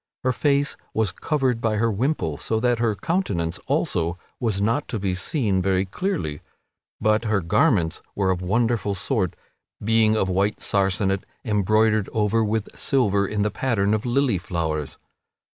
Her face was covered by her wimple so that her countenance also was not to be seen very clearly, but her garments were of wonderful sort, being of white sarcenet embroidered over with silver in the pattern of lily flowers.